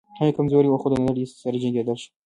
هغه کمزوری و خو د نړۍ سره جنګېدلی شو